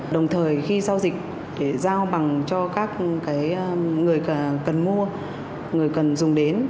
đồng thời khi giao dịch để giao bằng cho các người cần mua người cần dùng đến